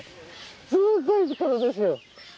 すごい力ですよ。